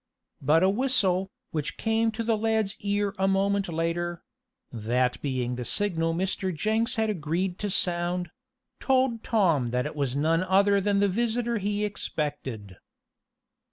But a whistle, which came to the lad's ear a moment later (that being a signal Mr. Jenks had agreed to sound), told Tom that it was none other than the visitor he expected.